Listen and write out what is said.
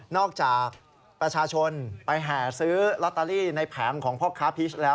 จากประชาชนไปแห่ซื้อลอตเตอรี่ในแผงของพ่อค้าพีชแล้ว